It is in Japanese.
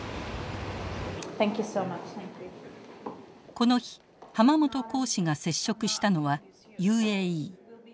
この日濱本公使が接触したのはＵＡＥ。